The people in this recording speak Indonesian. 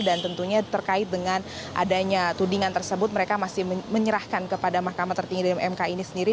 dan tentunya terkait dengan adanya tudingan tersebut mereka masih menyerahkan kepada mahkamah tertinggi dari mk ini sendiri